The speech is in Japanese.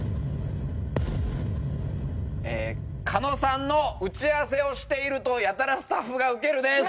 加納さんの「打ち合わせをしているとやたらスタッフがウケる」です。